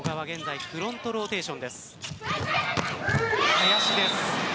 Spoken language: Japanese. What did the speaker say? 林です。